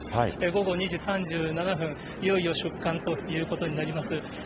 午後２時３７分、いよいよ出棺ということになります。